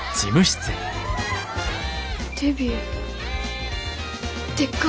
デビューでっか？